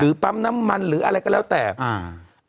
ปั๊มน้ำมันหรืออะไรก็แล้วแต่อ่า